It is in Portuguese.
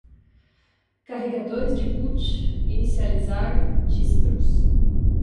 carregadores de boot, inicializar, distros